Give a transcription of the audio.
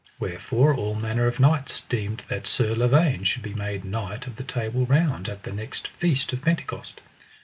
Wherefore all manner of knights deemed that Sir Lavaine should be made knight of the Table Round at the next feast of Pentecost.